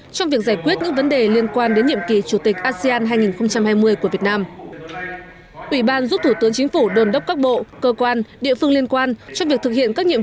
có vấn đề liên quan đến nhiệm kỳ chủ tịch asean hai nghìn hai mươi của việt nam